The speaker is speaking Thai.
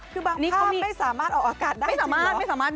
คือบางภาพไม่สามารถออกอากาศได้ไม่สามารถ